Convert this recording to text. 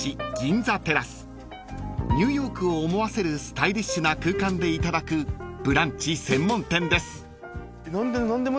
［ニューヨークを思わせるスタイリッシュな空間でいただくブランチ専門店です］